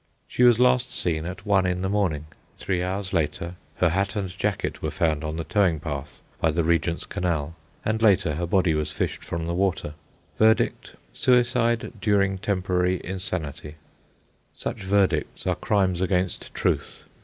She was last seen at one in the morning. Three hours later her hat and jacket were found on the towing path by the Regent's Canal, and later her body was fished from the water. Verdict: Suicide during temporary insanity. Such verdicts are crimes against truth.